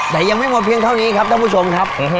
แต่ยังไม่หมดเพียงเท่านี้ครับท่านผู้ชมครับ